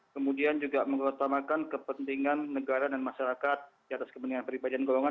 kemudian juga mengutamakan kepentingan negara dan masyarakat di atas kepentingan pribadi dan golongan